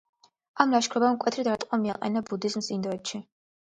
ამ ლაშქრობამ მკვეთრი დარტყმა მიაყენა ბუდიზმს ინდოეთში.